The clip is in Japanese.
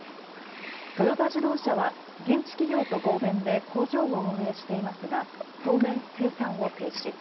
トヨタ自動車は、現地企業と合弁で工場を運営していますが、当面、生産を停止。